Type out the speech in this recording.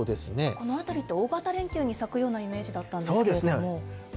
この辺りって大型連休に咲くようなイメージだったんですけれそうですね。